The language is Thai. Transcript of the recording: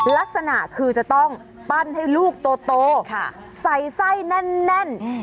ลักษณะคือจะต้องปั้นให้ลูกโตใส่ไส้แน่น